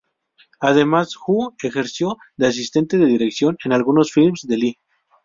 Además Hu ejerció de asistente de dirección en algunos films de Li.